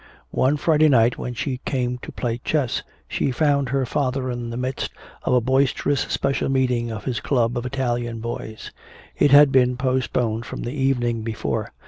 One Friday night when she came to play chess, she found her father in the midst of a boisterous special meeting of his club of Italian boys. It had been postponed from the evening before.